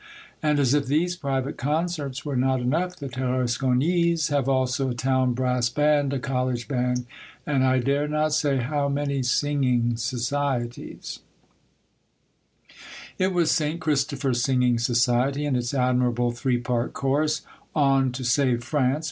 And, as if these private concerts were not enough, the Tarasconese have also a town brass band, a college band, and I dare not say how many singing societies. The Defence of Tarascon. 71 It was Saint Christopher's singing society and its admirable three part chorus, '' On, to save France